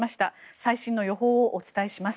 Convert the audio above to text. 最新の予報をお伝えします。